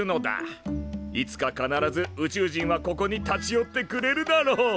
いつか必ず宇宙人はここに立ち寄ってくれるだろう。